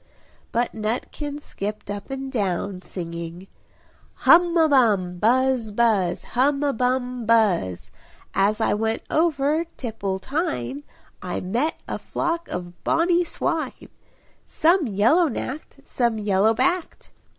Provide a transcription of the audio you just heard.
But Nutkin skipped up and down, singing "Hum a bum! buzz! buzz! Hum a bum buzz! As I went over Tipple tine I met a flock of bonny swine; Some yellow nacked, some yellow backed!